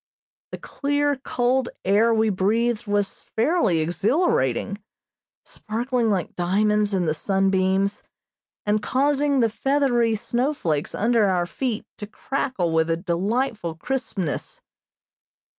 The clear, cold air we breathed was fairly exhilarating, sparkling like diamonds in the sun beams, and causing the feathery snowflakes under our feet to crackle with a delightful crispness.